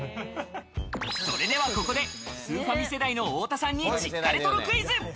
それではここでスーファミ世代の太田さんに実家レトロクイズ。